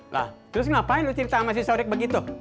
lah terus ngapain lu cerita sama si sodik begitu